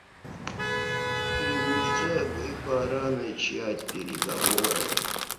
И уже бы пора начать переговоры.